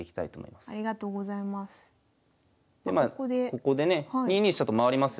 ここでね２二飛車と回りますよね。